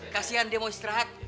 kasian dia mau istirahat